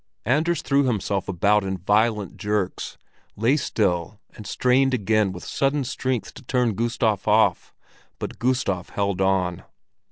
Anders threw himself about in violent jerks, lay still and strained again with sudden strength to turn Gustav off, but Gustav held on.